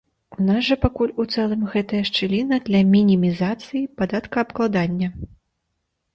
У нас жа пакуль у цэлым гэтая шчыліна для мінімізацыі падаткаабкладання.